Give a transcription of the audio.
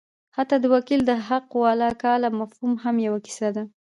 حتی د وکیل د حقالوکاله مفهوم هم یوه کیسه ده.